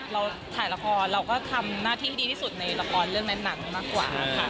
เราถ่ายละครเราก็ทำหน้าที่ดีที่สุดในละครเรื่องนั้นหนังมากกว่าค่ะ